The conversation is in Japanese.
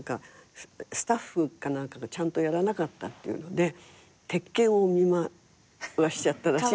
スタッフか何かがちゃんとやらなかったっていうので鉄拳をお見舞いしちゃったらしいんですよ。